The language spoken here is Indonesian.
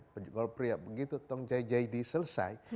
pegol pria begitu selesai